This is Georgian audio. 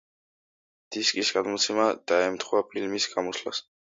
დისკის გამოცემა დაემთხვა ფილმის გამოსვლას.